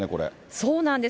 そうなんです。